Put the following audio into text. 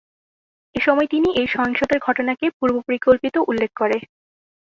এসময় তিনি এই সহিংসতার ঘটনাকে পূর্ব পরিকল্পিত উল্লেখ করে।